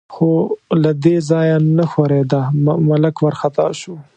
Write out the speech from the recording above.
خو له دې ځایه نه ښورېده، ملک وارخطا شو.